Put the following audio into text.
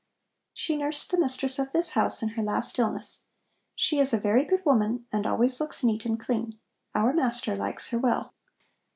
"She nursed the mistress of this house in her last illness. She is a very good woman and always looks neat and clean. Our master likes her well."